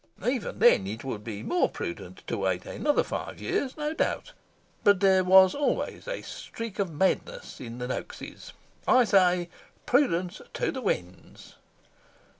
Even then it would be more prudent to wait another five years, no doubt. But there was always a streak of madness in the Noakses. I say 'Prudence to the winds!